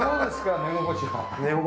寝心地は。